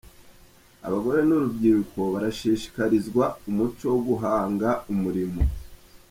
Abagore n’urubyiruko barashishikarizwa umuco wo guhanga umurimo